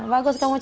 bagus kamu cari